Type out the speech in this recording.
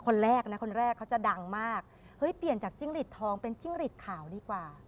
คนแรกนะคนแรกเขาจะดังมากเฮ้ยเปลี่ยนจากจิ้งหลีดทองเป็นจิ้งหลีดขาวดีกว่า